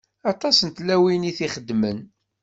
Aṭas n tlawin i t-ixedmen.